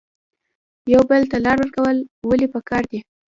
یو بل ته لار ورکول ولې پکار دي؟